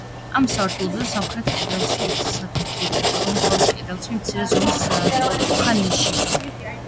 ამ სართულზე, სამხრეთ კედელში, ერთი სათოფურია, აღმოსავლეთ კედელში მცირე ზომის სწორკუთხა ნიში.